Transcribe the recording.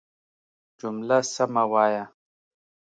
جمله سمه وايه!